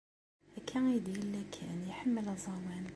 Akka i d-yella kan iḥemmel aẓawan.